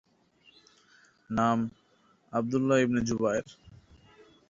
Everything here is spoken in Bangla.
নাম- আব্দুল্লাহ ইবনে জুবায়ের।